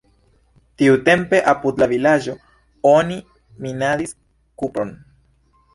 Tiutempe apud la vilaĝo oni minadis kupron.